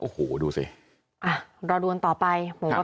โอ้โหดูสิอ่ะรอดูกันต่อไปครับ